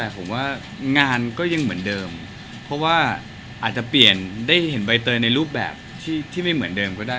แต่ผมว่างานก็ยังเหมือนเดิมเพราะว่าอาจจะเปลี่ยนได้เห็นใบเตยในรูปแบบที่ไม่เหมือนเดิมก็ได้